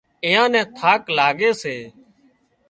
ايئان نين ٿاڪ لاڳي سي